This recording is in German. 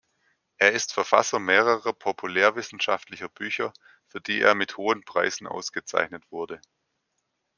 Er ist Verfasser mehrerer populärwissenschaftlicher Bücher, für die er mit hohen Preisen ausgezeichnet wurde.